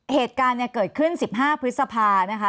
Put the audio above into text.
เหตุการณ์เกิดขึ้น๑๕พฤษภานะคะ